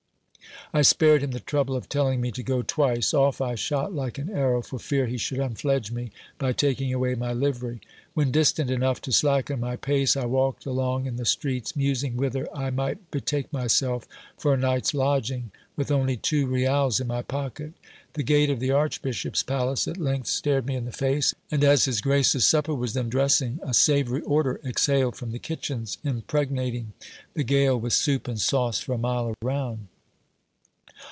I spared him the trouble of telling me to go twice. Off" I shot like an arrow, fcr fear he should unfledge me, by taking away my livery. WTien distant enough to slacken my pace, I walked along in the streets, musing whither I night betake myself for a night's lodging, with only two reals in my pocket The gate of the archbishop's palace at length stared me in the face'; and, as h s grace's supper was then dressing, a savoury odour exhaled from the kitchens, impregnating the gale with soup and sauce for a mile round.